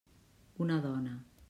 Una dona.